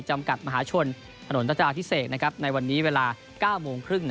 จำกัดมหาชนถนนรัชดาพิเศษในวันนี้เวลา๙โมงครึ่ง